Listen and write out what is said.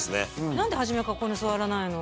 何で初めからここに座らないの？